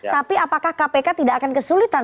tapi apakah kpk tidak akan kesulitan